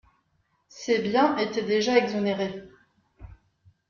Ces biens étaient déjà exonérés.